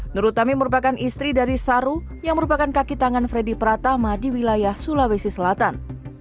nur utami merupakan istri dari saru yang merupakan kaki tangan freddy pratama di wilayah sulawesi selatan